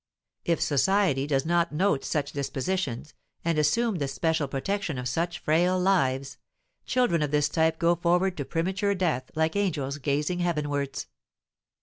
If society does not note such dispositions, and assume the special protection of such frail lives, children of this type go forward to premature death like angels gazing heavenwards.